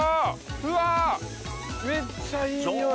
うわめっちゃいい匂い。